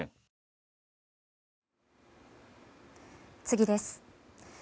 次です。